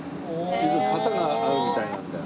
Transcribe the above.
型があるみたいなんだよ。